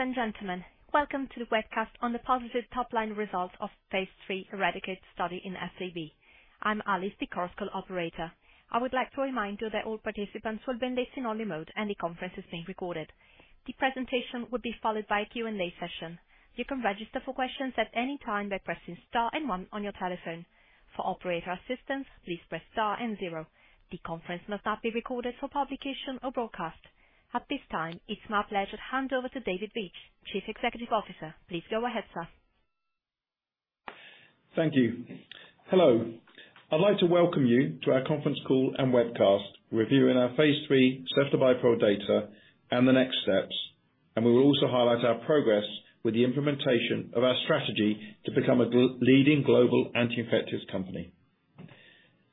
Ladies and gentlemen, welcome to the webcast on the positive top-line results of phase III ERADICATE study in SAB. I'm Alice, the Chorus Call operator. I would like to remind you that all participants will be in listen-only mode, and the conference is being recorded. The presentation will be followed by a Q&A session. You can register for questions at any time by pressing star and one on your telephone. For operator assistance, please press star and zero. The conference must not be recorded for publication or broadcast. At this time, it's my pleasure to hand over to David Veitch, Chief Executive Officer. Please go ahead, sir. Thank you. Hello. I'd like to welcome you to our conference call and webcast reviewing our phase III ceftobiprole data and the next steps, and we will also highlight our progress with the implementation of our strategy to become a leading global anti-infectives company.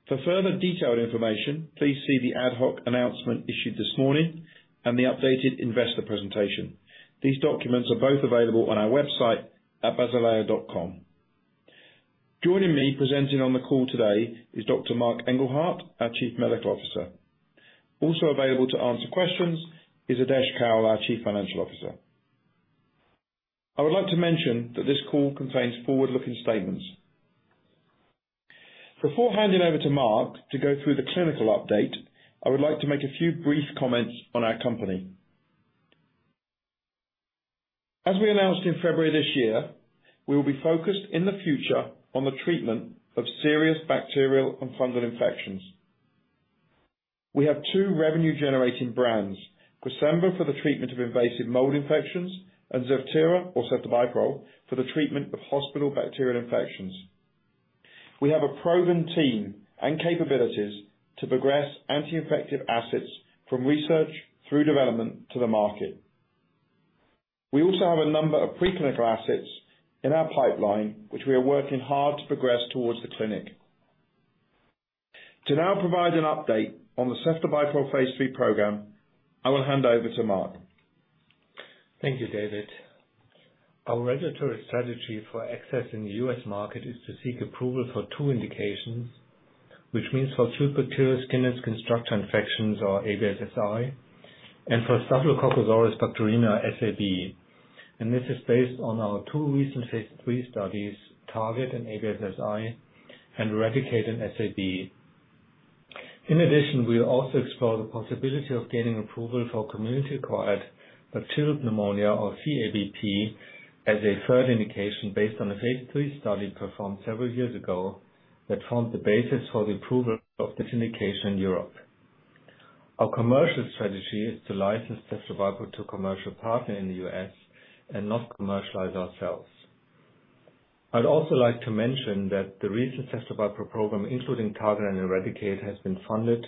For further detailed information, please see the ad hoc announcement issued this morning and the updated investor presentation. These documents are both available on our website at basilea.com. Joining me presenting on the call today is Dr. Marc Engelhardt, our Chief Medical Officer. Also available to answer questions is Adesh Kaul, our Chief Financial Officer. I would like to mention that this call contains forward-looking statements. Before handing over to Marc to go through the clinical update, I would like to make a few brief comments on our company. As we announced in February this year, we will be focused in the future on the treatment of serious bacterial and fungal infections. We have two revenue-generating brands, CRESEMBA for the treatment of invasive mold infections and ZEVTERA, or ceftobiprole, for the treatment of hospital bacterial infections. We have a proven team and capabilities to progress anti-infective assets from research through development to the market. We also have a number of preclinical assets in our pipeline, which we are working hard to progress towards the clinic. To now provide an update on the ceftobiprole phase III program, I will hand over to Marc. Thank you, David. Our regulatory strategy for access in the U.S. market is to seek approval for two indications, which means for two bacterial skin and skin structure infections or ABSSSI, and for Staphylococcus aureus bacteremia, SAB. This is based on our two recent phase III studies, TARGET in ABSSSI and ERADICATE in SAB. In addition, we'll also explore the possibility of gaining approval for community-acquired bacterial pneumonia or CABP as a third indication based on a phase III study performed several years ago that formed the basis for the approval of this indication in Europe. Our commercial strategy is to license ceftobiprole to a commercial partner in the U.S. and not commercialize ourselves. I'd also like to mention that the recent ceftobiprole program, including TARGET and ERADICATE, has been funded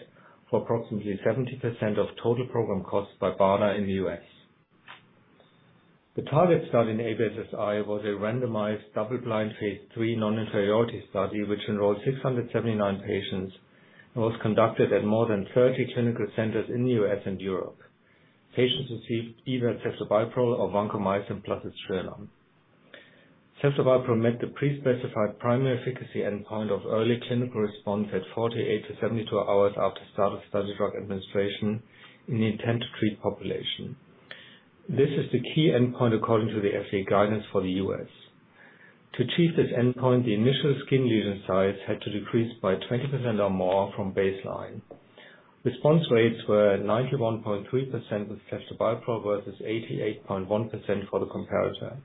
for approximately 70% of total program costs by BARDA in the U.S. The TARGET study in ABSSSI was a randomized double-blind phase III non-inferiority study, which enrolled 679 patients and was conducted at more than 30 clinical centers in the U.S. and Europe. Patients received either ceftobiprole or vancomycin plus aztreonam. Ceftobiprole met the pre-specified primary efficacy endpoint of early clinical response at 48-72 hours after start of study drug administration in the intent-to-treat population. This is the key endpoint according to the FDA guidance for the U.S. To achieve this endpoint, the initial skin lesion size had to decrease by 20% or more from baseline. Response rates were 91.3% with ceftobiprole versus 88.1% for the comparator.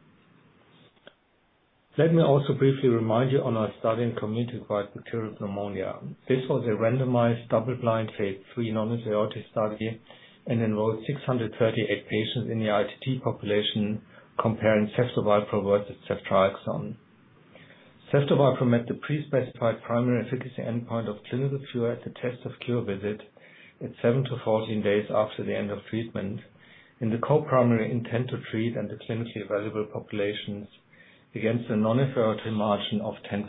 Let me also briefly remind you on our study in community-acquired bacterial pneumonia. This was a randomized double-blind phase III non-inferiority study and enrolled 638 patients in the ITT population comparing ceftobiprole versus ceftriaxone. Ceftobiprole met the pre-specified primary efficacy endpoint of clinical cure at the test-of-cure visit at seven to 14 days after the end of treatment in the co-primary intent-to-treat and the clinically evaluable populations against a non-inferiority margin of 10%.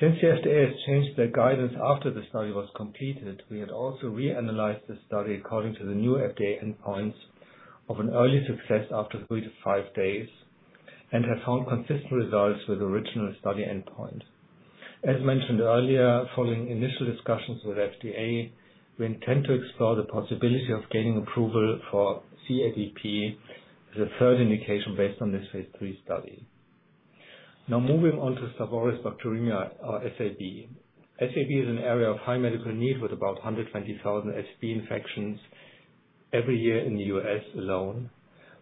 Since the FDA has changed their guidance after the study was completed, we had also reanalyzed the study according to the new FDA endpoints of an early success after three to five days and have found consistent results with the original study endpoint. As mentioned earlier, following initial discussions with FDA, we intend to explore the possibility of gaining approval for CABP as a third indication based on this phase III study. Now moving on to Staphylococcus aureus bacteremia or SAB. SAB is an area of high medical need with about 120,000 SAB infections every year in the U.S. alone,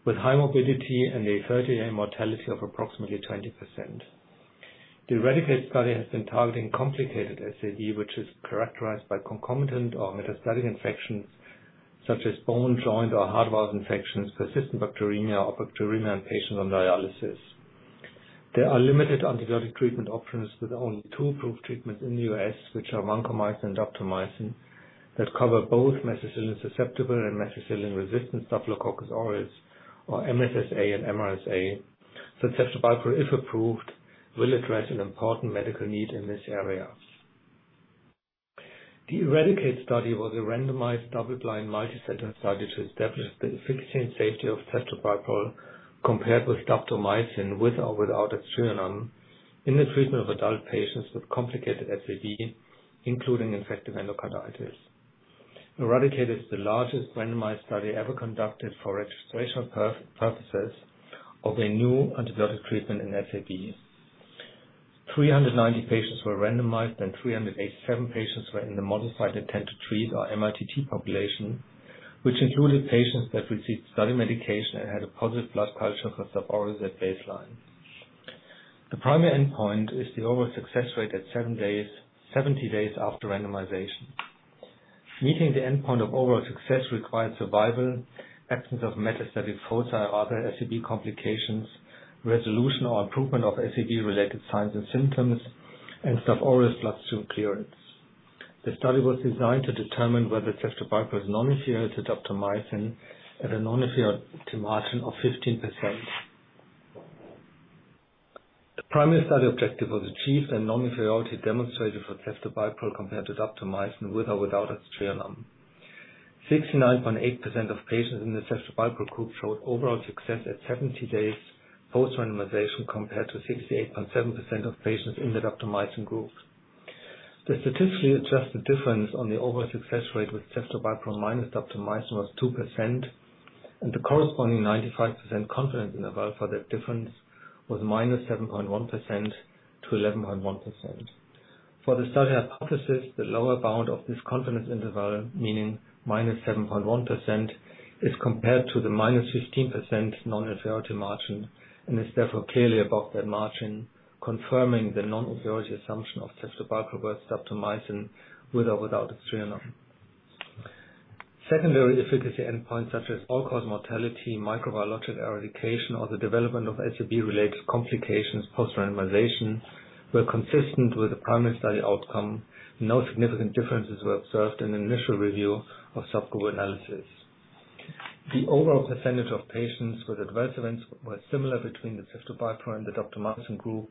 with high morbidity and a 30-day mortality of approximately 20%. The ERADICATE study has been targeting complicated SAB, which is characterized by concomitant or metastatic infections such as bone, joint, or heart valve infections, persistent bacteremia, or bacteremia in patients on dialysis. There are limited antibiotic treatment options, with only two approved treatments in the U.S., which are vancomycin and daptomycin, that cover both methicillin-susceptible and methicillin-resistant Staphylococcus aureus or MSSA and MRSA. Ceftobiprole, if approved, will address an important medical need in this area. The ERADICATE study was a randomized double-blind multicenter study to establish the efficacy and safety of ceftobiprole compared with daptomycin with or without aztreonam in the treatment of adult patients with complicated SAB, including infective endocarditis. ERADICATE is the largest randomized study ever conducted for registration purposes of a new antibiotic treatment in SAB. 390 patients were randomized, and 387 patients were in the modified intent to treat our MITT population, which included patients that received study medication and had a positive blood culture for Staph aureus at baseline. The primary endpoint is the overall success rate at seven days, 70 days after randomization. Meeting the endpoint of overall success requires survival, absence of metastatic foci or other SAB complications, resolution or improvement of SAB-related signs and symptoms, and Staph aureus bloodstream clearance. The study was designed to determine whether ceftobiprole's non-inferiority to daptomycin at a non-inferiority margin of 15%. The primary study objective was achieved, and non-inferiority demonstrated for ceftobiprole compared to daptomycin with or without aztreonam. 69.8% of patients in the ceftobiprole group showed overall success at 70 days post-randomization, compared to 68.7% of patients in the daptomycin group. The statistically adjusted difference on the overall success rate with ceftobiprole minus daptomycin was 2%, and the corresponding 95% confidence interval for that difference was -7.1% to 11.1%. For the study hypothesis, the lower bound of this confidence interval, meaning -7.1%, is compared to the -15% non-inferiority margin and is therefore clearly above that margin, confirming the non-inferiority assumption of ceftobiprole versus daptomycin with or without aztreonam. Secondary efficacy endpoints such as all-cause mortality, microbiological eradication, or the development of SAB-related complications post-randomization were consistent with the primary study outcome. No significant differences were observed in the initial review of subgroup analysis. The overall percentage of patients with adverse events were similar between the ceftobiprole and the daptomycin group.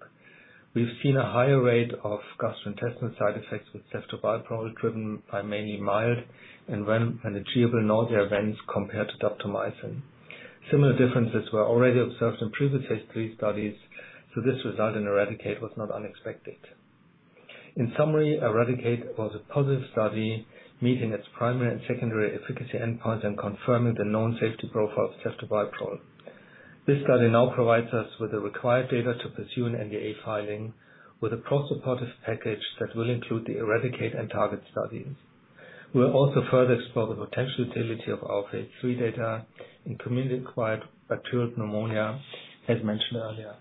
We've seen a higher rate of gastrointestinal side effects with ceftobiprole, driven by mainly mild and manageable nausea events compared to daptomycin. Similar differences were already observed in previous phase III studies, so this result in ERADICATE was not unexpected. In summary, ERADICATE was a positive study, meeting its primary and secondary efficacy endpoints and confirming the known safety profile of ceftobiprole. This study now provides us with the required data to pursue an NDA filing with a robust supportive package that will include the ERADICATE and TARGET studies. We'll also further explore the potential utility of our phase III data in community-acquired bacterial pneumonia, as mentioned earlier.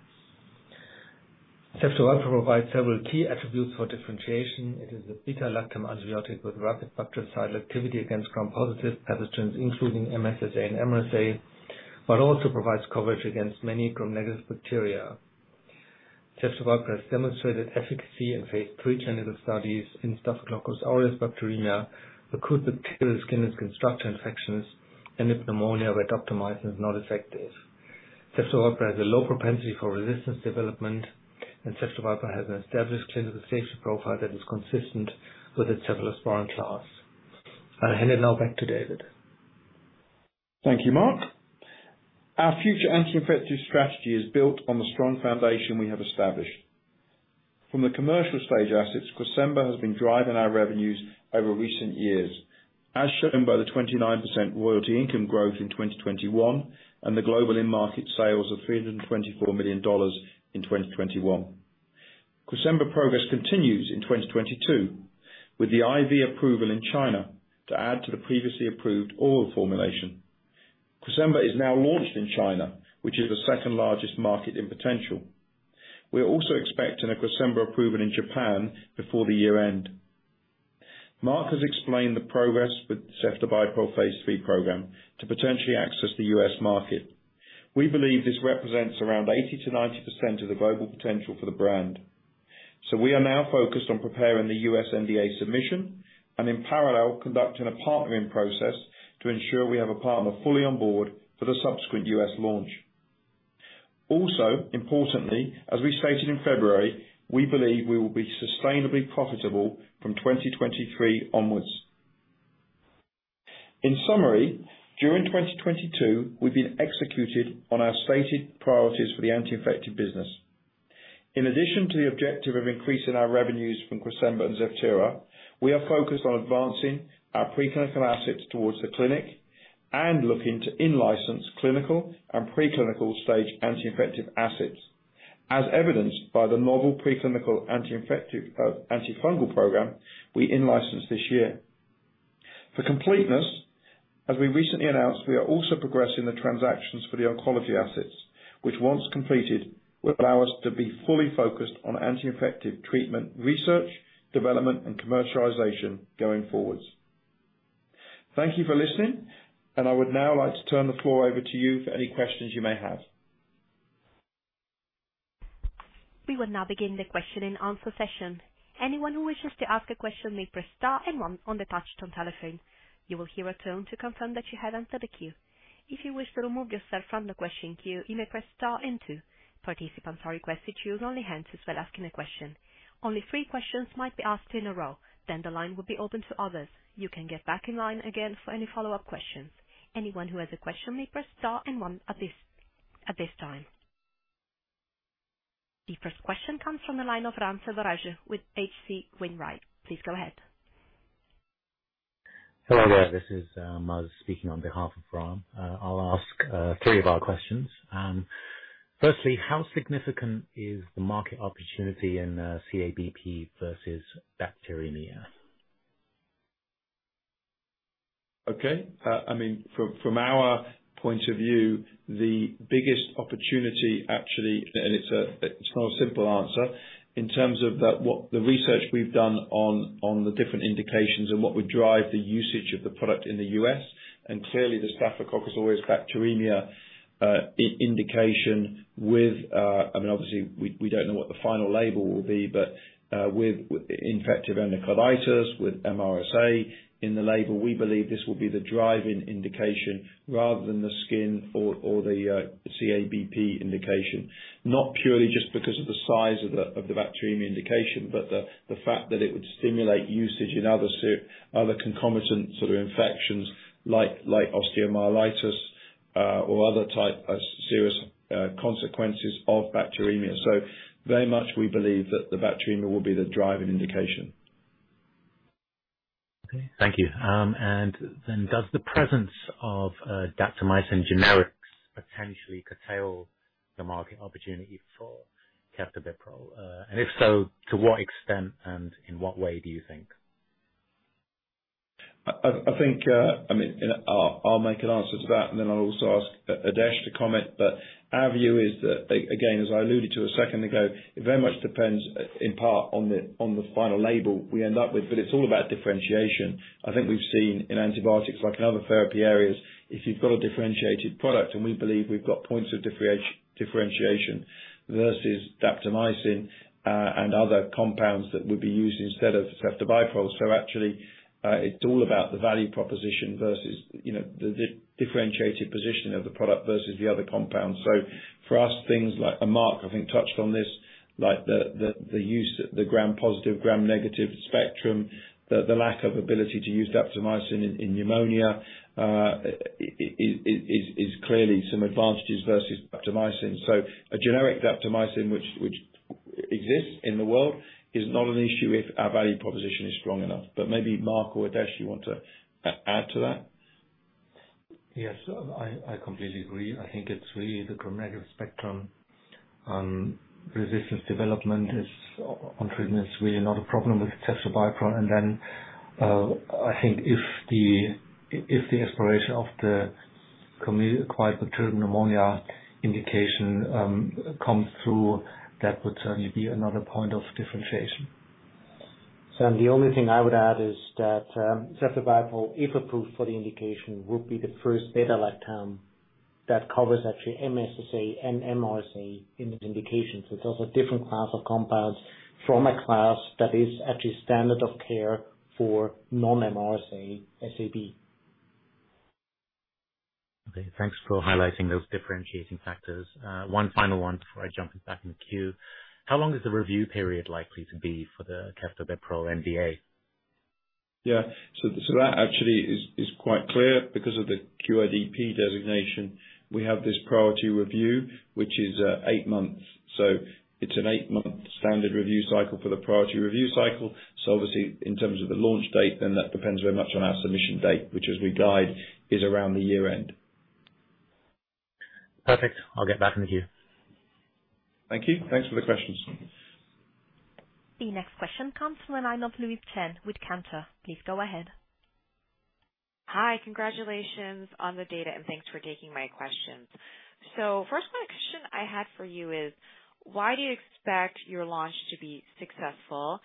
Ceftobiprole provides several key attributes for differentiation. It is a beta-lactam antibiotic with rapid bactericidal activity against gram-positive pathogens, including MSSA and MRSA, but also provides coverage against many gram-negative bacteria. Ceftobiprole has demonstrated efficacy in phase III clinical studies in Staphylococcus aureus bacteremia, acute bacterial skin and skin structure infections, and in pneumonia with daptomycin is not effective. Ceftobiprole has a low propensity for resistance development, and ceftobiprole has an established clinical safety profile that is consistent with its cephalosporin class. I'll hand it now back to David. Thank you, Marc. Our future anti-infective strategy is built on the strong foundation we have established. From the commercial stage assets, CRESEMBA has been driving our revenues over recent years, as shown by the 29% royalty income growth in 2021 and the global in-market sales of $324 million in 2021. CRESEMBA progress continues in 2022 with the IV approval in China to add to the previously approved oral formulation. CRESEMBA is now launched in China, which is the second largest market in potential. We are also expecting a CRESEMBA approval in Japan before the year end. Marc has explained the progress with ceftobiprole phase III program to potentially access the U.S. market. We believe this represents around 80%-90% of the global potential for the brand. We are now focused on preparing the U.S. NDA submission and in parallel, conducting a partnering process to ensure we have a partner fully on board for the subsequent U.S. launch. Also, importantly, as we stated in February, we believe we will be sustainably profitable from 2023 onwards. In summary, during 2022, we've been executed on our stated priorities for the anti-infective business. In addition to the objective of increasing our revenues from CRESEMBA and ZEVTERA, we are focused on advancing our preclinical assets towards the clinic and looking to in-license clinical and preclinical stage anti-infective assets, as evidenced by the novel preclinical anti-infective, antifungal program we in-licensed this year. For completeness, as we recently announced, we are also progressing the transactions for the oncology assets, which once completed, will allow us to be fully focused on anti-infective treatment research, development, and commercialization going forwards. Thank you for listening, and I would now like to turn the floor over to you for any questions you may have. We will now begin the question-and-answer session. Anyone who wishes to ask a question may press star and one on the touch-tone telephone. You will hear a tone to confirm that you have entered the queue. If you wish to remove yourself from the question queue, you may press star and two. Participants are requested to unmute only when asking a question. Only three questions might be asked in a row, then the line will be open to others. You can get back in line again for any follow-up questions. Anyone who has a question may press star and one at this time. The first question comes from the line of Ram Selvaraju with H.C. Wainwright. Please go ahead. Hello there. This is Muzz speaking on behalf of Ram. I'll ask three of our questions. Firstly, how significant is the market opportunity in CABP versus bacteremia? Okay. I mean, from our point of view, the biggest opportunity actually, and it's not a simple answer, in terms of what the research we've done on the different indications and what would drive the usage of the product in the U.S. Clearly, the Staphylococcus aureus bacteremia indication with, I mean, obviously, we don't know what the final label will be, but with infective endocarditis, with MRSA in the label, we believe this will be the driving indication rather than the skin or the CABP indication. Not purely just because of the size of the bacteremia indication, but the fact that it would stimulate usage in other concomitant sort of infections like osteomyelitis or other type of serious consequences of bacteremia. Very much, we believe that the bacteremia will be the driving indication. Okay. Thank you. Does the presence of daptomycin generics potentially curtail the market opportunity for ceftobiprole? If so, to what extent and in what way do you think? I think, I mean, I'll make an answer to that, and then I'll also ask Adesh to comment. Our view is that, again, as I alluded to a second ago, it very much depends in part on the final label we end up with, but it's all about differentiation. I think we've seen in antibiotics, like in other therapy areas, if you've got a differentiated product, and we believe we've got points of differentiation versus daptomycin, and other compounds that would be used instead of ceftobiprole. Actually, it's all about the value proposition versus, you know, the differentiated position of the product versus the other compounds. For us, things like... Marc, I think, touched on this, like the use, the gram-positive, gram-negative spectrum, the lack of ability to use daptomycin in pneumonia is clearly some advantages versus daptomycin. A generic daptomycin which exists in the world is not an issue if our value proposition is strong enough. Maybe Marc or Adesh, you want to add to that? Yes. I completely agree. I think it's really the gram-negative spectrum. Resistance development, on treatment, is really not a problem with ceftobiprole. I think if the exploration of the community-acquired bacterial pneumonia indication comes through, that would certainly be another point of differentiation. The only thing I would add is that ceftobiprole, if approved for the indication, would be the first beta-lactam that covers actually MSSA and MRSA in the indications. It's also a different class of compounds from a class that is actually standard of care for non-MRSA SAB. Okay. Thanks for highlighting those differentiating factors. One final one before I jump back in the queue. How long is the review period likely to be for the ceftobiprole NDA? Yeah. That actually is quite clear. Because of the QIDP designation, we have this priority review, which is eight months. It's an eight-month standard review cycle for the priority review cycle. Obviously in terms of the launch date, that depends very much on our submission date, which as we guide, is around the year-end. Perfect. I'll get back in the queue. Thank you. Thanks for the questions. The next question comes from the line of Louise Chen with Cantor. Please go ahead. Hi. Congratulations on the data, and thanks for taking my questions. First question I had for you is, why do you expect your launch to be successful,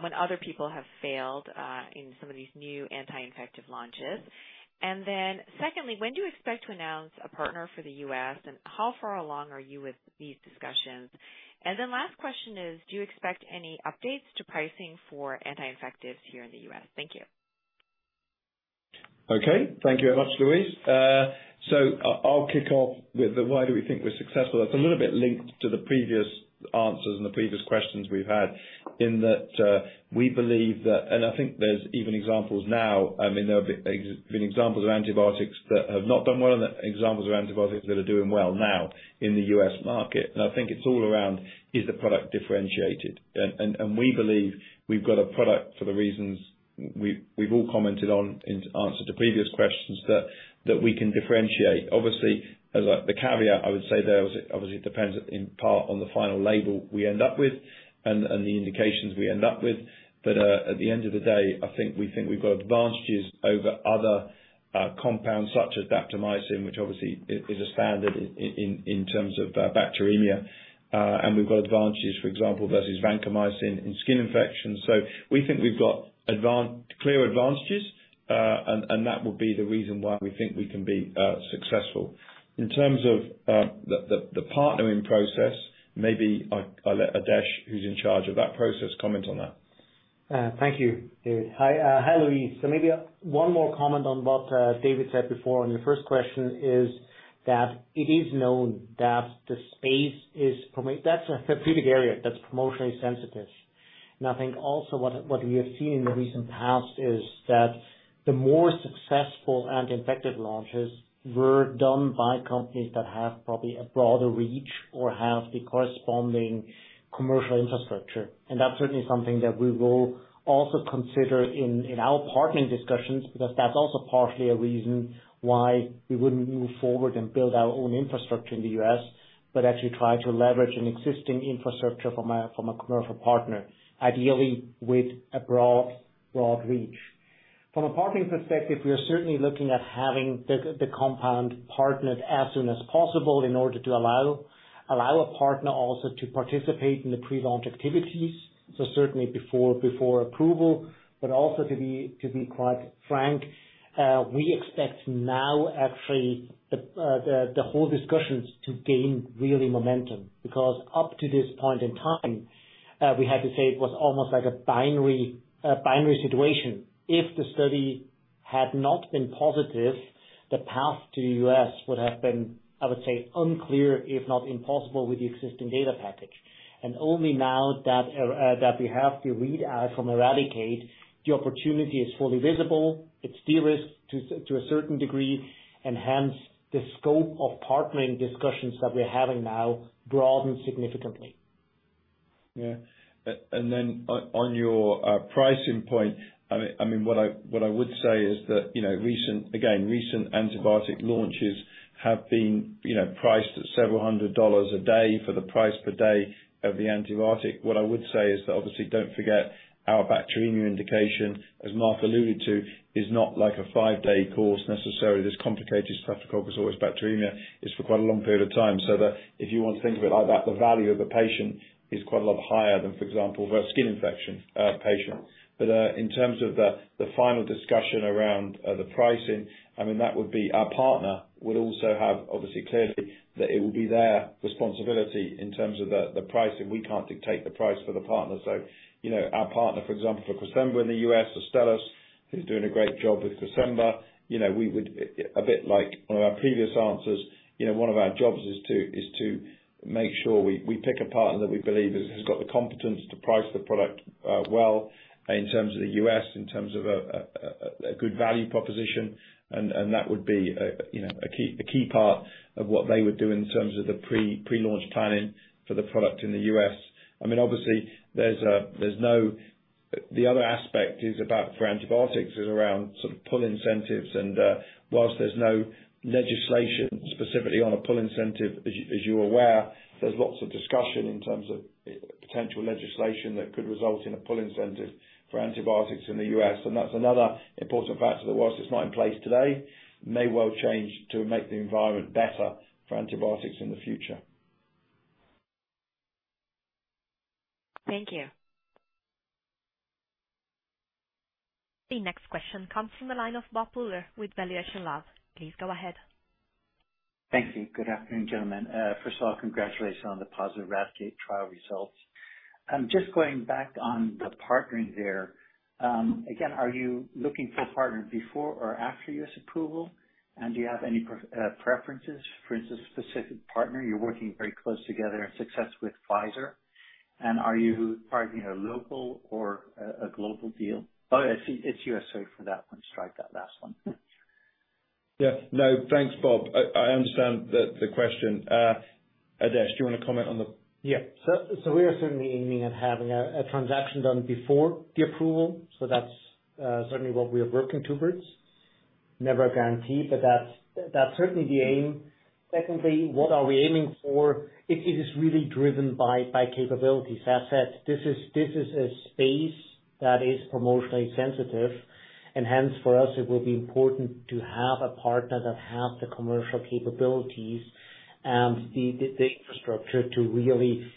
when other people have failed, in some of these new anti-infective launches? Secondly, when do you expect to announce a partner for the U.S., and how far along are you with these discussions? Last question is, do you expect any updates to pricing for anti-infectives here in the U.S.? Thank you. Okay. Thank you very much, Louise. So I'll kick off with the why do we think we're successful. It's a little bit linked to the previous answers and the previous questions we've had in that, we believe that and I think there's even examples now, I mean, there have been examples of antibiotics that have not done well and examples of antibiotics that are doing well now in the U.S. market. I think it's all around, is the product differentiated? We believe we've got a product for the reasons we've all commented on in answer to previous questions that we can differentiate. Obviously, a slight caveat I would say there is obviously it depends in part on the final label we end up with and the indications we end up with. At the end of the day, I think we think we've got advantages over other compounds such as daptomycin, which obviously is a standard in terms of bacteremia. We've got advantages, for example, versus vancomycin in skin infections. We think we've got clear advantages. That would be the reason why we think we can be successful. In terms of the partnering process, maybe I'll let Adesh, who's in charge of that process, comment on that. Thank you, David. Hi, Louise. Maybe one more comment on what David said before on your first question is that it is known that the space is. That's a therapeutic area that's promotionally sensitive. I think also what we have seen in the recent past is that the more successful anti-infective launches were done by companies that have probably a broader reach or have the corresponding commercial infrastructure. That's certainly something that we will also consider in our partnering discussions, because that's also partially a reason why we wouldn't move forward and build our own infrastructure in the U.S., but actually try to leverage an existing infrastructure from a commercial partner, ideally with a broad reach. From a partnering perspective, we are certainly looking at having the compound partnered as soon as possible in order to allow a partner also to participate in the pre-launch activities, so certainly before approval, but also, to be quite frank, we expect now actually the whole discussions to gain really momentum. Because up to this point in time, we had to say it was almost like a binary situation. If the study had not been positive, the path to the U.S. would have been, I would say, unclear if not impossible with the existing data package. Only now that we have the readout from ERADICATE, the opportunity is fully visible. It's de-risked to a certain degree, and hence the scope of partnering discussions that we're having now broaden significantly. Yeah. On your pricing point, I mean, what I would say is that, you know, recent antibiotic launches have been, you know, priced at several hundred dollars a day for the price per day of the antibiotic. What I would say is that, obviously, don't forget our bacteremia indication, as Marc alluded to, is not like a five-day course necessarily as complicated as Staphylococcus aureus bacteremia. It's for quite a long period of time. If you want to think of it like that, the value of the patient is quite a lot higher than, for example, for a skin infection patient. In terms of the final discussion around the pricing, I mean, that would be our partner would also have obviously clearly that it will be their responsibility in terms of the pricing. We can't dictate the price for the partner. You know, our partner, for example, for CRESEMBA in the U.S., Astellas, who's doing a great job with CRESEMBA, you know, a bit like one of our previous answers, you know, one of our jobs is to make sure we pick a partner that we believe has got the competence to price the product well in terms of the U.S., in terms of a good value proposition. That would be a key part of what they would do in terms of the pre-launch planning for the product in the U.S. Obviously, the other aspect is about for antibiotics around sort of pull incentives and while there's no legislation specifically on a pull incentive, as you're aware, there's lots of discussion in terms of potential legislation that could result in a pull incentive for antibiotics in the U.S. That's another important factor that while it's not in place today, may well change to make the environment better for antibiotics in the future. Thank you. The next question comes from the line of Bob Pooler with valuationLAB. Please go ahead. Thank you. Good afternoon, gentlemen. First of all, congratulations on the positive ERADICATE trial results. Just going back on the partnering there, again, are you looking for a partner before or after U.S. approval? And do you have any preferences, for instance, specific partner? You're working very close together in success with Pfizer. And are you partnering a local or a global deal? Oh, it's U.S. for that one. Strike that last one. Yeah. No, thanks, Bob. I understand the question. Adesh, do you wanna comment on that? Yeah. We are certainly aiming at having a transaction done before the approval. That's certainly what we are working towards. Never a guarantee, but that's certainly the aim. Secondly, what are we aiming for? It is really driven by capabilities. As I said, this is a space that is promotionally sensitive, and hence for us it will be important to have a partner that has the commercial capabilities and the infrastructure to really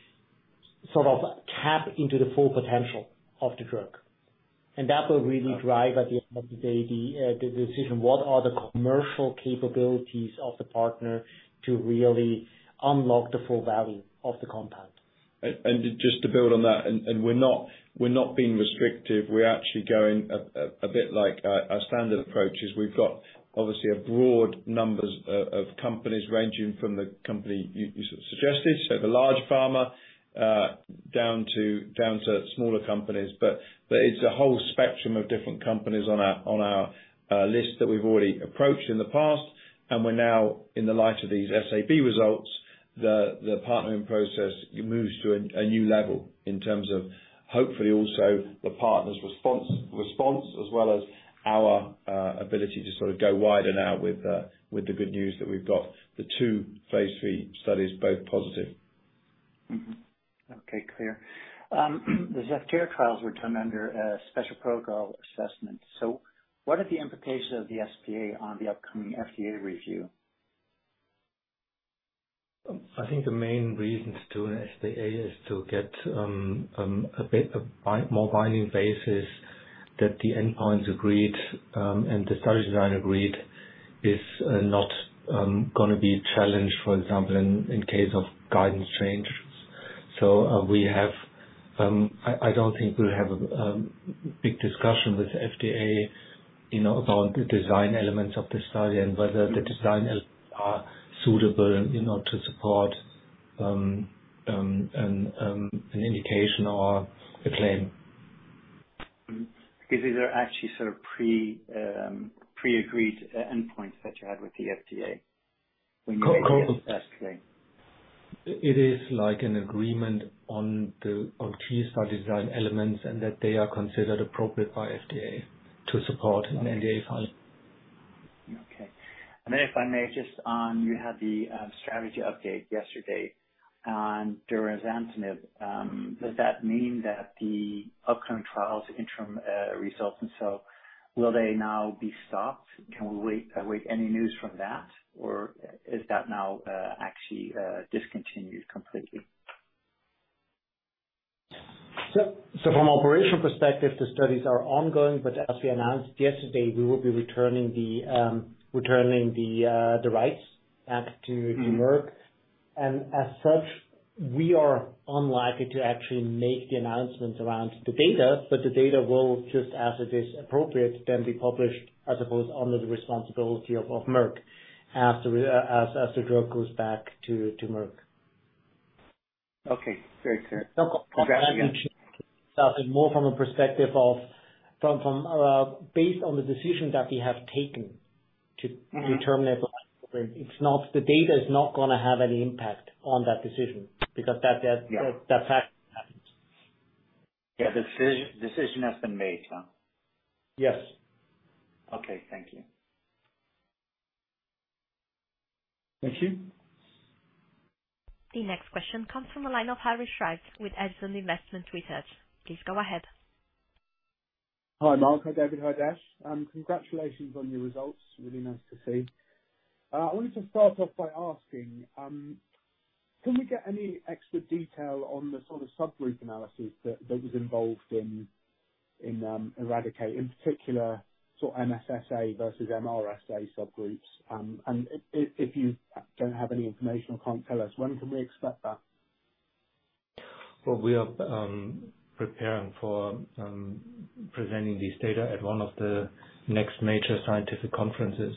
sort of tap into the full potential of the drug. That will really drive, at the end of the day, the decision, what are the commercial capabilities of the partner to really unlock the full value of the compound. Just to build on that, we're not being restrictive. We're actually going a bit like our standard approach is we've got obviously a broad number of companies ranging from the company you sort of suggested, so the large pharma down to smaller companies. It's a whole spectrum of different companies on our list that we've already approached in the past. We're now, in the light of these SAB results, the partnering process moves to a new level in terms of hopefully also the partner's response, as well as our ability to sort of go wide and out with the good news that we've got the two phase III studies both positive. Okay, clear. The ZEVTERA trials were done under a Special Protocol Assessment. What are the implications of the SPA on the upcoming FDA review? I think the main reasons to an SPA is to get a bit more binding basis that the endpoint's agreed and the study design agreed is not gonna be challenged, for example, in case of guidance change. I don't think we'll have a big discussion with FDA. You know, about the design elements of the study and whether the design elements are suitable, you know, to support an indication or a claim. Is either actually sort of pre-agreed endpoints that you had with the FDA when you made this last claim? It is like an agreement on key study design elements and that they are considered appropriate by FDA to support an NDA filing. Okay. If I may, just on you had the strategy update yesterday on derazantinib. Does that mean that the upcoming trials interim results and so will they now be stopped? Can we await any news from that, or is that now actually discontinued completely? From operational perspective, the studies are ongoing, but as we announced yesterday, we will be returning the rights back to Merck. As such, we are unlikely to actually make the announcement around the data, but the data will just as it is appropriate, then be published, I suppose, under the responsibility of Merck as the drug goes back to Merck. Okay. Very clear. More from a perspective of based on the decision that we have taken to. The data is not gonna have any impact on that decision because that's happened. Yeah. The decision has been made, huh? Yes. Okay. Thank you. Thank you. The next question comes from the line of Harry Shrives with Edison Investment Research. Please go ahead. Hi, Marc. Hi, David. Hi, Adesh. Congratulations on your results. Really nice to see. I wanted to start off by asking, can we get any extra detail on the sort of subgroup analysis that was involved in ERADICATE, in particular sort of MSSA versus MRSA subgroups? If you don't have any information or can't tell us, when can we expect that? Well, we are preparing for presenting this data at one of the next major scientific conferences,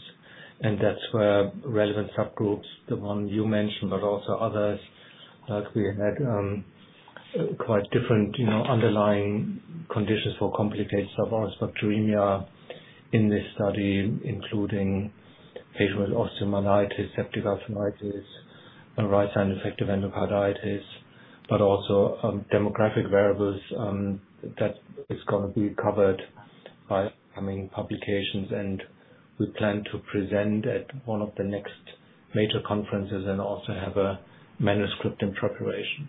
and that's where relevant subgroups, the one you mentioned, but also others, like we had quite different, you know, underlying conditions for complicated Staph aureus bacteremia in this study, including patients with osteomyelitis, septic arthritis, and right-side infective endocarditis, but also demographic variables, that is gonna be covered by upcoming publications. We plan to present at one of the next major conferences and also have a manuscript in preparation.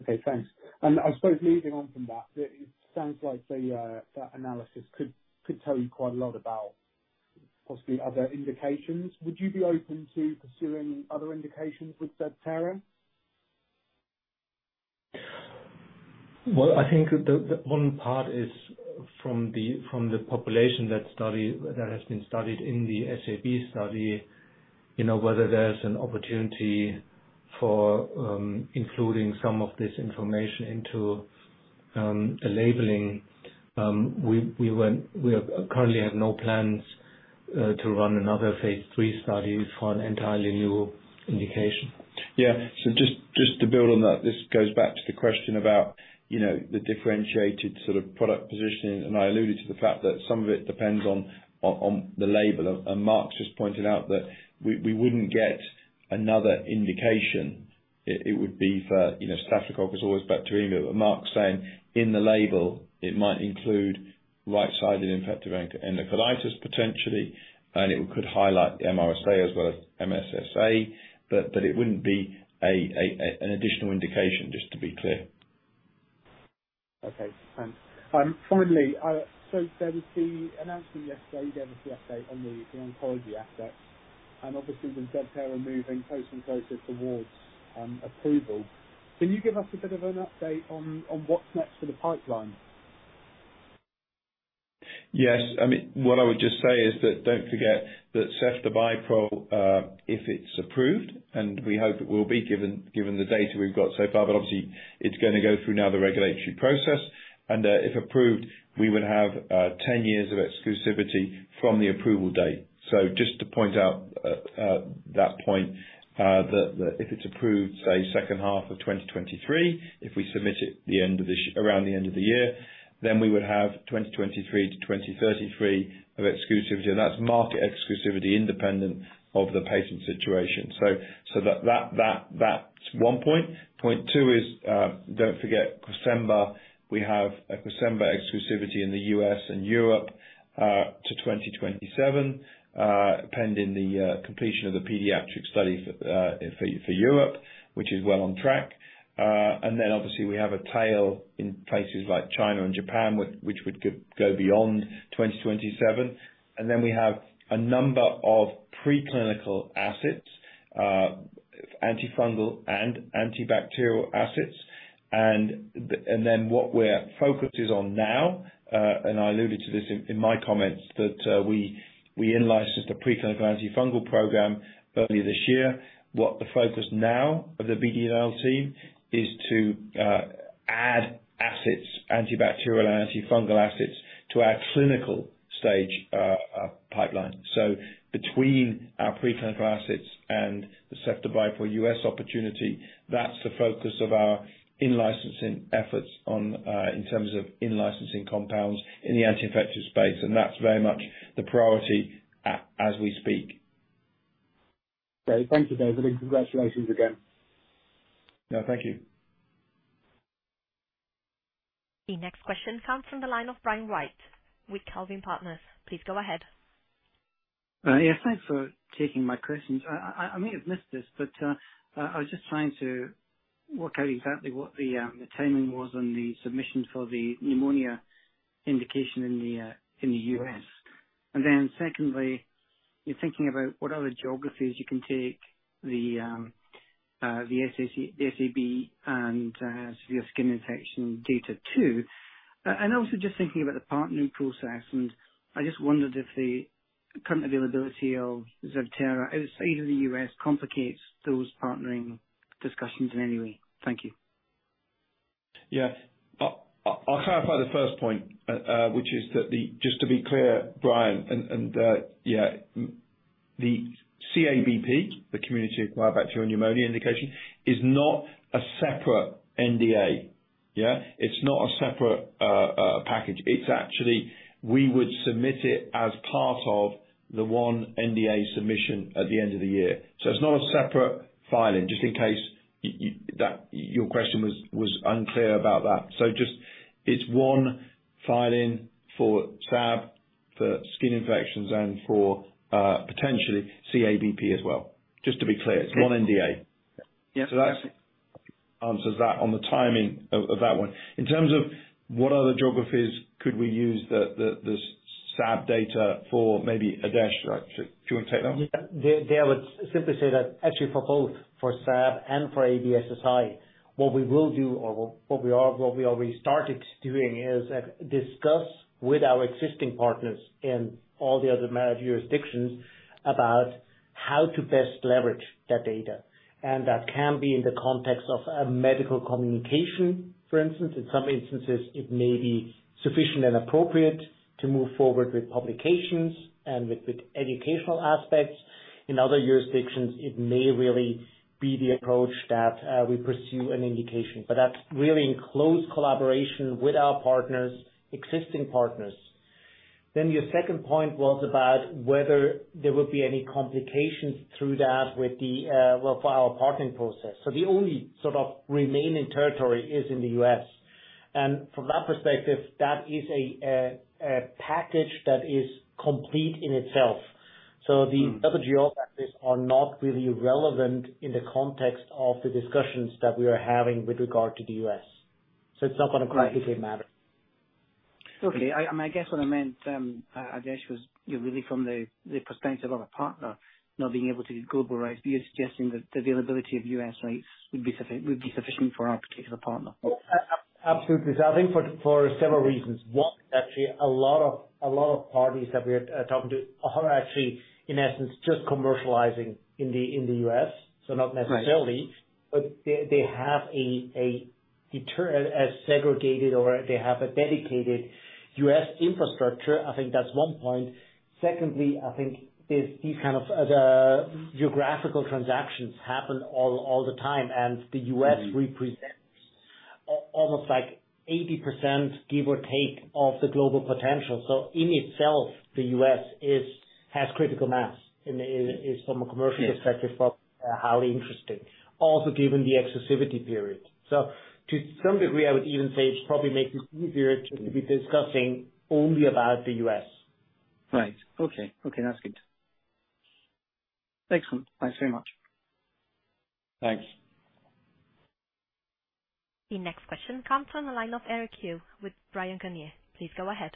Okay, thanks. I suppose leading on from that, it sounds like the that analysis could tell you quite a lot about possibly other indications. Would you be open to pursuing other indications with ZEVTERA? I think the one part is from the population that has been studied in the SAB study, you know, whether there's an opportunity for including some of this information into a labeling. We currently have no plans to run another phase III study for an entirely new indication. Yeah. Just to build on that, this goes back to the question about, you know, the differentiated sort of product positioning, and I alluded to the fact that some of it depends on the label. Marc's just pointed out that we wouldn't get another indication. It would be for, you know, Staphylococcus aureus bacteremia. Marc's saying in the label it might include right-sided infective endocarditis potentially, and it could highlight MRSA as well as MSSA, but it wouldn't be an additional indication, just to be clear. Thanks. Finally, there was the announcement yesterday, gave us the update on the oncology assets, and obviously with ZEVTERA moving closer and closer towards approval. Can you give us a bit of an update on what's next for the pipeline? Yes. I mean, what I would just say is that don't forget that ceftobiprole, if it's approved, and we hope it will be given the data we've got so far. Obviously it's gonna go through now the regulatory process and, if approved, we would have 10 years of exclusivity from the approval date. Just to point out that point, that if it's approved, say second half of 2023, if we submit it around the end of the year, then we would have 2023-2033 of exclusivity. That's market exclusivity independent of the patent situation. That's one point. Point two is, don't forget CRESEMBA. We have a CRESEMBA exclusivity in the U.S. and Europe to 2027, pending the completion of the pediatric study for Europe, which is well on track. Then obviously we have a tail in places like China and Japan, which would go beyond 2027. We have a number of pre-clinical assets, antifungal and antibacterial assets. Then what we're focus is on now, and I alluded to this in my comments, that we analyzed just a pre-clinical antifungal program earlier this year. What the focus now of the BD&L team is to add assets, antibacterial and antifungal assets to our clinical stage pipeline. Between our pre-clinical assets and the ceftobiprole U.S. opportunity, that's the focus of our in-licensing efforts on, in terms of in-licensing compounds in the anti-infective space, and that's very much the priority as we speak. Okay. Thank you, David, and congratulations again. No, thank you. The next question comes from the line of Brian White with Calvine Partners. Please go ahead. Yeah, thanks for taking my questions. I may have missed this, but I was just trying to work out exactly what the timing was on the submission for the pneumonia indication in the U.S. Secondly, you're thinking about what other geographies you can take the SAB and severe skin infection data too. Also just thinking about the partnering process, and I just wondered if the current availability of ZEVTERA outside of the U.S. complicates those partnering discussions in any way. Thank you. Yeah. I'll clarify the first point, which is that. Just to be clear, Brian, the CABP, the community-acquired bacterial pneumonia indication, is not a separate NDA, yeah? It's not a separate package. It's actually, we would submit it as part of the one NDA submission at the end of the year. It's not a separate filing, just in case that your question was unclear about that. Just, it's one filing for SAB, for skin infections and for potentially CABP as well. Just to be clear, it's one NDA. That answers that on the timing of that one. In terms of what other geographies could we use the SAB data for, maybe Adesh, right? Do you wanna take that one? Yeah. There I would simply say that actually for both, for SAB and for ABSSSI, what we will do or what we are, what we already started doing is discuss with our existing partners in all the other major jurisdictions about how to best leverage that data. That can be in the context of a medical communication, for instance. In some instances, it may be sufficient and appropriate to move forward with publications and with educational aspects. In other jurisdictions, it may really be the approach that we pursue an indication. That's really in close collaboration with our partners, existing partners. Your second point was about whether there would be any complications through that with the, well, for our partnering process. The only sort of remaining territory is in the U.S. From that perspective, that is a package that is complete in itself. Other geographies are not really relevant in the context of the discussions that we are having with regard to the U.S. It's not gonna greatly matter. I guess what I meant, Adesh, was really from the perspective of a partner not being able to globalize. You're suggesting that the availability of U.S. rights would be sufficient for our particular partner. Absolutely. I think for several reasons. One, actually a lot of parties that we are talking to are actually, in essence, just commercializing in the U.S. Not necessarily. They have a segregated or they have a dedicated U.S. infrastructure. I think that's one point. Secondly, I think is these kind of geographical transactions happen all the time, and the U.S. represents almost like 80%, give or take, of the global potential. In itself, the U.S. has critical mass. Is from a commercial perspective. Highly interesting, also given the exclusivity period. To some degree, I would even say it probably makes it easier to be discussing only about the U.S. Right. Okay. Okay, that's good. Excellent. Thanks so much. Thanks. The next question comes from the line of Eric Le Berrigaud with Bryan, Garnier. Please go ahead.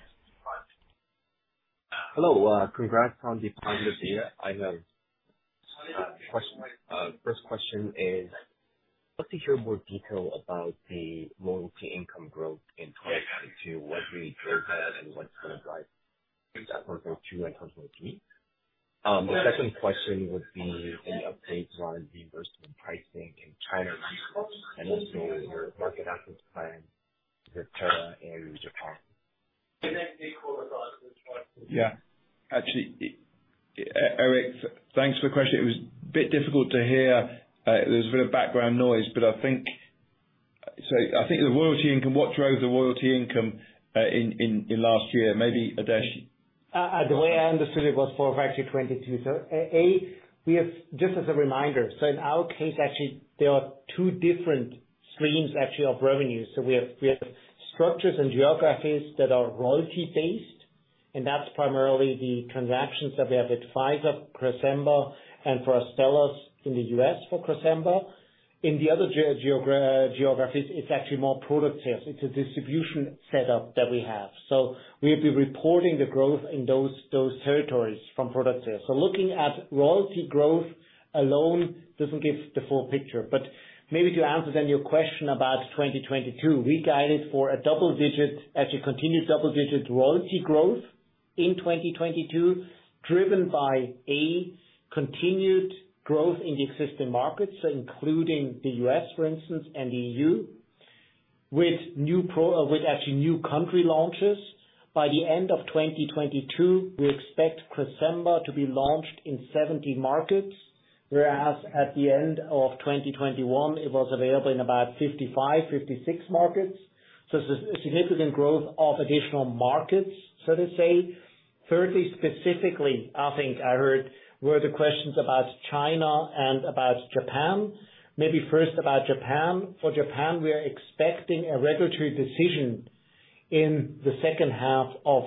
Hello. Congrats on the positive data. I have question. First question is, love to hear more detail about the royalty income growth in 2022. What really drove that, and what's gonna drive that for both 2 and 2022? The second question would be an update on the reimbursement pricing in China recently, and also your market access plan for ZEVTERA in Japan. Yeah. Actually, Eric, thanks for the question. It was a bit difficult to hear. There was a bit of background noise, but I think the royalty income, what drove the royalty income, in last year, maybe Adesh? The way I understood it was for actually 2022. Just as a reminder, in our case, actually, there are two different streams, actually, of revenue. We have structures and geographies that are royalty-based, and that's primarily the transactions that we have with Pfizer, CRESEMBA, and for Astellas in the U.S. for CRESEMBA. In the other geographies, it's actually more product sales. It's a distribution setup that we have. We'll be reporting the growth in those territories from product sales. Looking at royalty growth alone doesn't give the full picture. Maybe to answer your question about 2022, we guided for a double-digit, actually continuous double-digit royalty growth in 2022, driven by a continued growth in the existing markets, including the U.S., for instance, and EU, with actually new country launches. By the end of 2022, we expect CRESEMBA to be launched in 70 markets, whereas at the end of 2021, it was available in about 55, 56 markets. Significant growth of additional markets, so to say. 30 specifically, I think I heard were the questions about China and about Japan. Maybe first about Japan. For Japan, we are expecting a regulatory decision in the second half of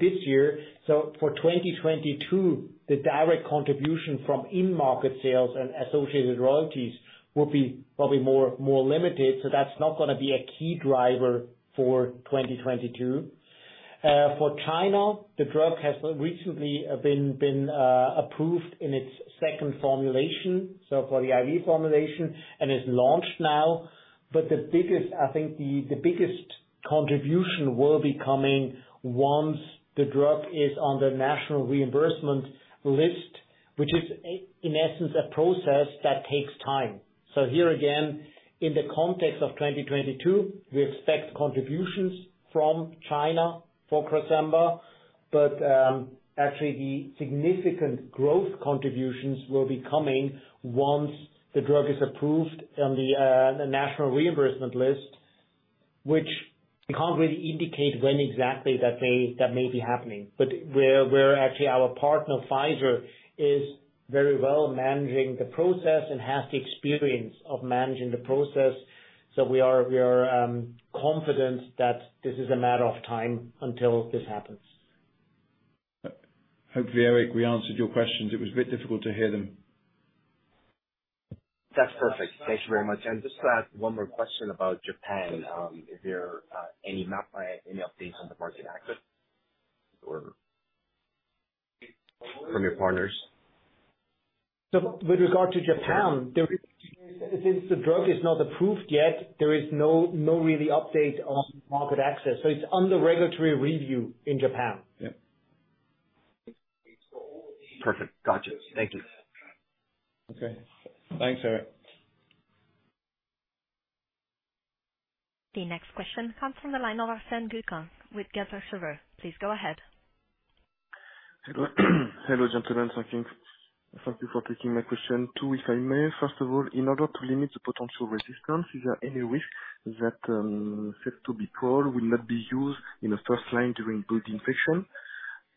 this year. For 2022, the direct contribution from in-market sales and associated royalties will be probably more limited. That's not gonna be a key driver for 2022. For China, the drug has recently been approved in its second formulation, so for the IV formulation, and is launched now. I think the biggest contribution will be coming once the drug is on the national reimbursement list, which is in essence a process that takes time. Here again, in the context of 2022, we expect contributions from China for CRESEMBA, but actually the significant growth contributions will be coming once the drug is approved on the national reimbursement list, which we can't really indicate when exactly that may be happening. Where actually our partner, Pfizer, is very well managing the process and has the experience of managing the process. We are confident that this is a matter of time until this happens. Hopefully, Eric, we answered your questions. It was a bit difficult to hear them. That's perfect. Thank you very much. Just one more question about Japan. Is there any updates on the market access or from your partners? With regard to Japan, since the drug is not approved yet, there is no real update on market access. It's under regulatory review in Japan. Perfect. Gotcha. Thank you. Okay. Thanks, Eric. The next question comes from the line of Arsène Guekam with Kepler Cheuvreux. Please go ahead. Hello. Hello, gentlemen. Thank you. Thank you for taking my question. Two, if I may. First of all, in order to limit the potential resistance, is there any risk that ceftobiprole will not be used in the first-line during blood infection?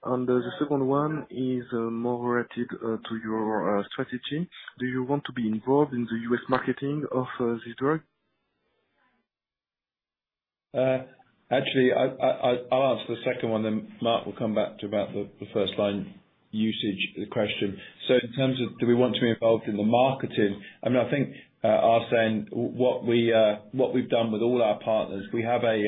The second one is more related to your strategy. Do you want to be involved in the U.S. marketing of this drug? Actually, I'll answer the second one then Marc will come back to the first-line usage question. In terms of do we want to be involved in the marketing, I mean, I think, Arsène, what we've done with all our partners, we have a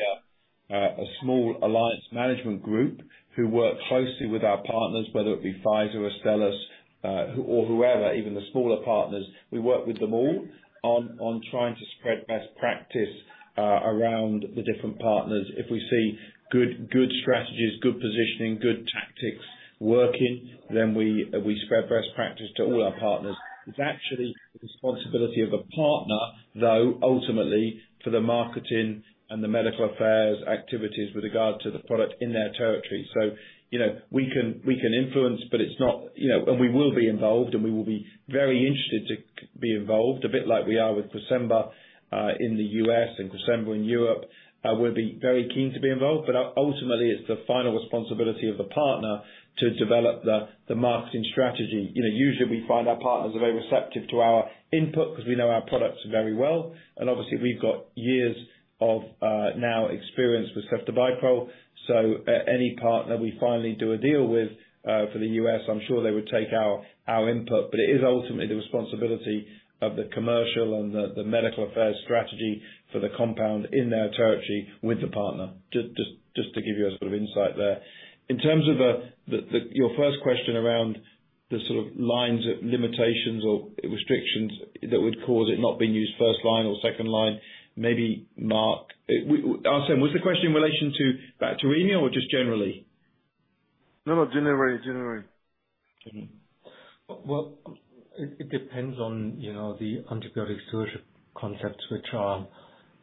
small alliance management group who work closely with our partners, whether it be Pfizer, Astellas, or whoever, even the smaller partners. We work with them all on trying to spread best practice around the different partners. If we see good strategies, good positioning, good tactics working, then we spread best practice to all our partners. It's actually the responsibility of a partner, though, ultimately, for the marketing and the medical affairs activities with regard to the product in their territory. You know, we can influence, but it's not, you know. We will be involved, and we will be very interested to be involved, a bit like we are with CRESEMBA in the U.S. and CRESEMBA in Europe. We'll be very keen to be involved, but ultimately, it's the final responsibility of the partner to develop the marketing strategy. You know, usually we find our partners are very receptive to our input because we know our products very well, and obviously we've got years of know-how with ceftobiprole. Any partner we finally do a deal with for the U.S., I'm sure they would take our input. It is ultimately the responsibility of the commercial and the medical affairs strategy for the compound in their territory with the partner. Just to give you a sort of insight there. In terms of your first question around the sort of lines of limitations or restrictions that would cause it not being used first line or second line, maybe Marc. Arsène, was the question in relation to bacteremia or just generally? No, generally. Well, it depends on, you know, the antibiotic stewardship concepts, which are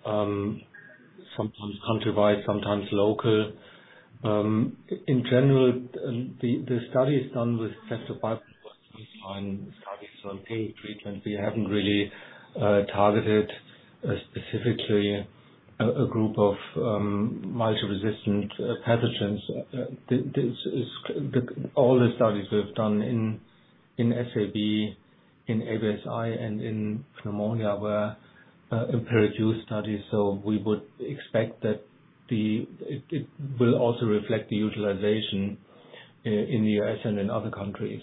sometimes countrywide, sometimes local. In general, the study is done with ceftobiprole based on studies on empiric treatment. We haven't really targeted specifically a group of multi-resistant pathogens. All the studies we've done in SAB, in ABSSSI, and in pneumonia were empiric use studies, so we would expect that it will also reflect the utilization in the U.S. and in other countries.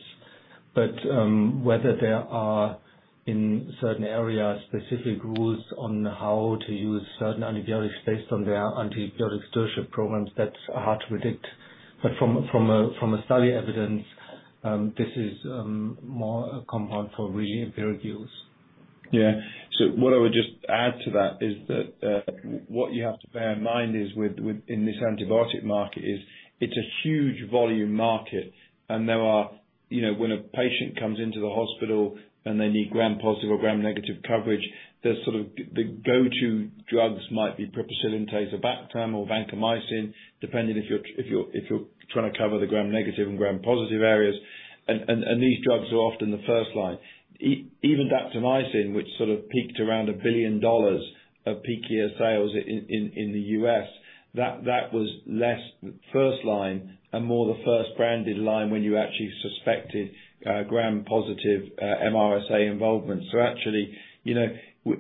Whether there are, in certain areas, specific rules on how to use certain antibiotics based on their antibiotic stewardship programs, that's hard to predict. From a study evidence, this is more a compound for really empiric use. Yeah. What I would just add to that is that what you have to bear in mind is with in this antibiotic market is it's a huge volume market, and there are. You know, when a patient comes into the hospital and they need gram-positive or gram-negative coverage, the sort of the go-to drugs might be piperacillin-tazobactam or vancomycin, depending if you're trying to cover the gram-negative and gram-positive areas. And these drugs are often the first-line. Even daptomycin, which sort of peaked around $1 billion of peak year sales in the U.S., that was less the first-line and more the first branded line when you actually suspected gram-positive MRSA involvement. Actually, you know,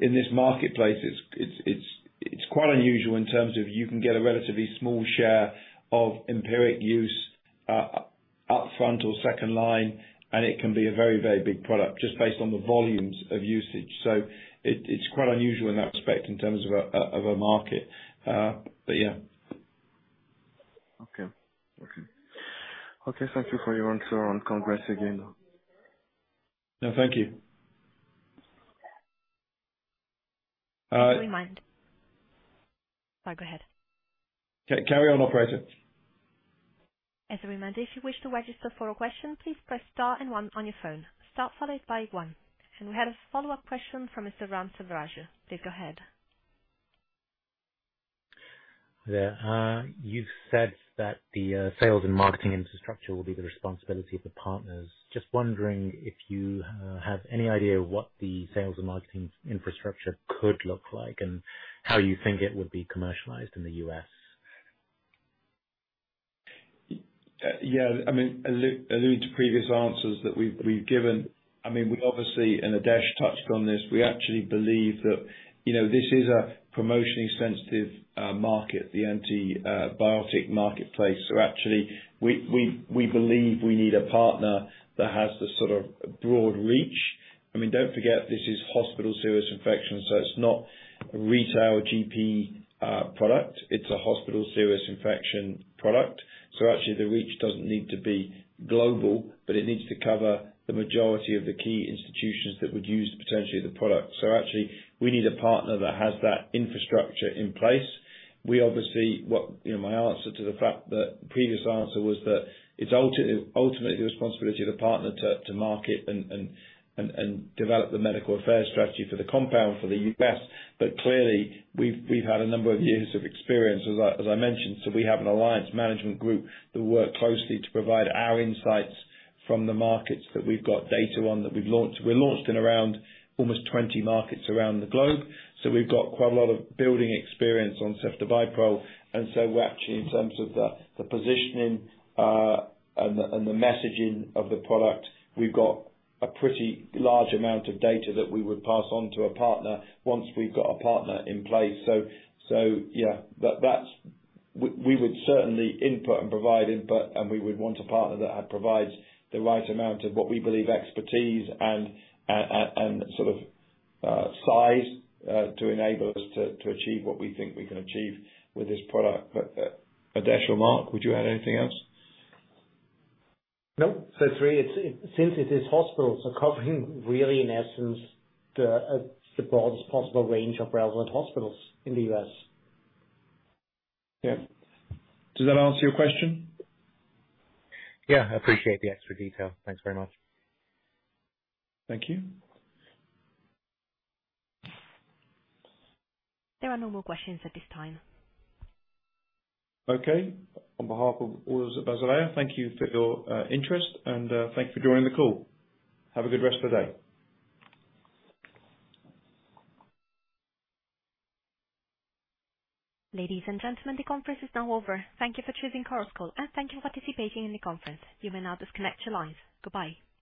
in this marketplace, it's quite unusual in terms of you can get a relatively small share of empiric use up front or second-line, and it can be a very, very big product just based on the volumes of usage. It's quite unusual in that respect in terms of a market. Yeah. Okay, thank you for your answer and congrats again. No, thank you. Just a reminder. Sorry, go ahead. Carry on, operator. As a reminder, if you wish to register for a question, please press star and one on your phone. Star followed by one. We have a follow-up question from Mr. Ram Selvaraju. Please go ahead. Yeah. You said that the sales and marketing infrastructure will be the responsibility of the partners. Just wondering if you have any idea what the sales and marketing infrastructure could look like and how you think it would be commercialized in the U.S. Yeah, I mean, allude to previous answers that we've given. I mean, we obviously, Adesh touched on this, we actually believe that, you know, this is a promotionally sensitive market, the antibiotic marketplace. So actually we believe we need a partner that has the sort of broad reach. I mean, don't forget, this is hospital serious infections, so it's not retail GP product. It's a hospital serious infection product. So actually the reach doesn't need to be global, but it needs to cover the majority of the key institutions that would use potentially the product. So actually we need a partner that has that infrastructure in place. We obviously... You know, my answer to the fact that the previous answer was that it's ultimately the responsibility of the partner to market and develop the medical affairs strategy for the compound for the U.S. Clearly we've had a number of years of experience, as I mentioned, so we have an alliance management group that work closely to provide our insights from the markets that we've got data on that we've launched. We're launched in around almost 20 markets around the globe. We've got quite a lot of valuable experience on ceftobiprole, and we're actually in terms of the positioning and the messaging of the product, we've got a pretty large amount of data that we would pass on to a partner once we've got a partner in place. Yeah, that's. We would certainly input and provide input, and we would want a partner that provides the right amount of what we believe expertise and sort of, size, to enable us to achieve what we think we can achieve with this product. Adesh or Marc, would you add anything else? No. It's really. Since it is hospitals, so covering really in essence the broadest possible range of relevant hospitals in the U.S. Yeah. Does that answer your question? Yeah. I appreciate the extra detail. Thanks very much. Thank you. There are no more questions at this time. Okay. On behalf of the board of Basilea, thank you for your interest and thank you for joining the call. Have a good rest of the day. Ladies and gentlemen, the conference is now over. Thank you for choosing Chorus Call, and thank you for participating in the conference. You may now disconnect your lines. Goodbye.